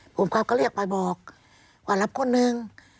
ผมก็เรียกไปบอกว่ารับคนหนึ่ง